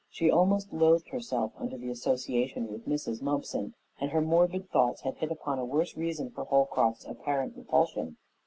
She almost loathed herself under her association with Mrs. Mumpson, and her morbid thoughts had hit upon a worse reason for Holcroft's apparent repulsion.